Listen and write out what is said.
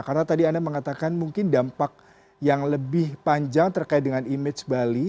karena tadi anda mengatakan mungkin dampak yang lebih panjang terkait dengan image bali